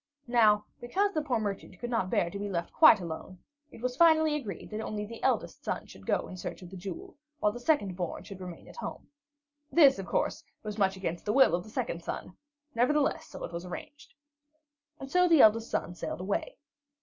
Now, because the poor merchant could not bear to be left quite alone, it was finally agreed that only the eldest son should go in search of the jewel, while the second born should remain at home. This, of course, was much against the will of the second son; nevertheless, so it was arranged. And so the eldest son sailed away.